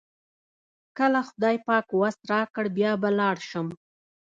کله خدای پاک وس راکړ بیا به لاړ شم.